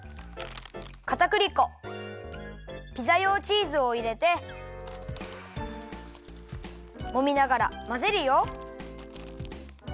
かたくり粉ピザ用チーズをいれてもみながらまぜるよ。